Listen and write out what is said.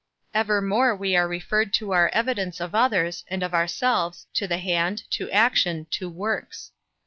Evermore we are referred for our evidence of others, and of ourselves, to the hand, to action, to works.